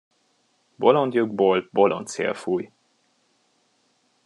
Bolond lyukból bolond szél fúj.